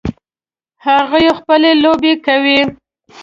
هغوی خپلې لوبې کوي